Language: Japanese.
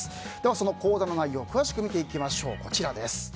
その講座の内容を詳しく見ていきましょう。